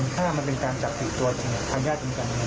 ถ้ามันเป็นการจับผิดตัวจริงอ่ะครั้งแทย